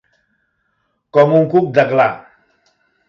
Com un cuc d'aglà.